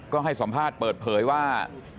ก็ให้สัมภาษณ์เปิดเผยว่า